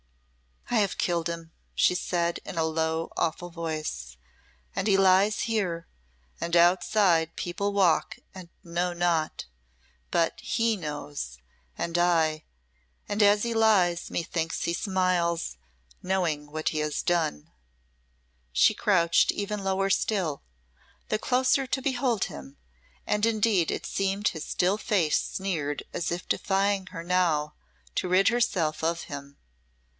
"I have killed him!" she said, in a low, awful voice; "and he lies here and outside people walk, and know not. But he knows and I and as he lies methinks he smiles knowing what he has done!" She crouched even lower still, the closer to behold him, and indeed it seemed his still face sneered as if defying her now to rid herself of him!